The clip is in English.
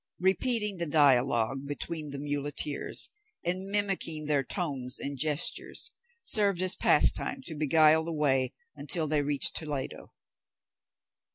Repeating the dialogue between the muleteers, and mimicking their tones and gestures, served as pastime to beguile the way until they reached Toledo.